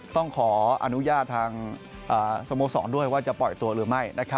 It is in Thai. ต้องขออนุญาตทางสโมสรด้วยว่าจะปล่อยตัวหรือไม่